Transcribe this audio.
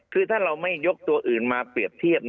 คือถ้าเราไม่ยกตัวอื่นมาเปรียบเทียบ